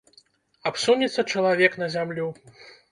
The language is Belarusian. Абсунецца чалавек на зямлю.